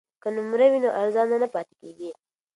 که نمره وي نو ارزونه نه پاتې کیږي.